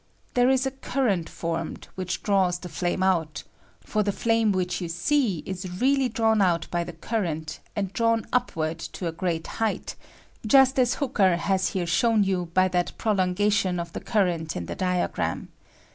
There is a current formed, which draws the flame out ; for the flame which yon see is really drawn out by the current, and drawn upward to a great height, just as Hooker has here shown you by that prolongation of the current in the diagram.